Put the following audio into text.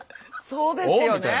そうですよね。